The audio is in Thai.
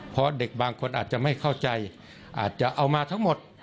เพราะเด็กบางคนอาจจะไม่เข้าใจอาจจะเอามาทั้งหมด